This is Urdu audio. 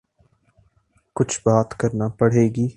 کچھ بات کرنا پڑے گی۔